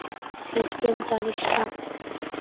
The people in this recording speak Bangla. সিস্টেম জানিস না?